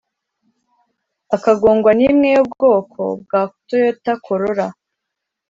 akagongwa n’imwe yo bwoko bwa Toyota Corolla